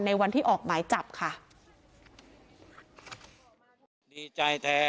ในวันที่ออกหมายจับค่ะ